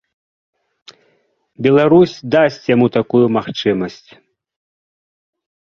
Беларусі дасць яму такую магчымасць.